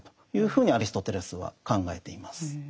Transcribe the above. ふうにアリストテレスは考えています。